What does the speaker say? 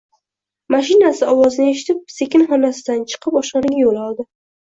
Mashinasi ovozini eshitib, sekin xonasidan chiqib oshxonaga yo`l oldi